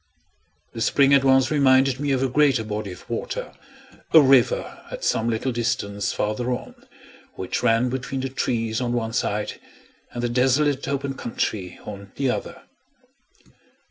The spring at once reminded me of a greater body of water a river, at some little distance farther on, which ran between the trees on one side, and the desolate open country on the other.